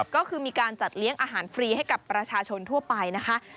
ก็คือมีการจัดเลี้ยงอาหารฟรีให้กับประชาชนทั่วไปนะคะ